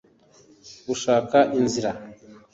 gushaka inzira